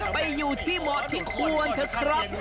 ไปอยู่ที่เหมาะที่ควรเถอะครับ